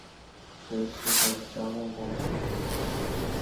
这是个张量公式。